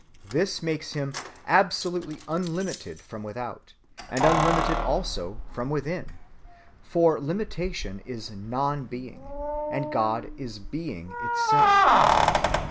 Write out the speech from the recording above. This makes Him absolutely unlimited from without, and unlimited also from within; for limitation is non‐being; and God is being itself.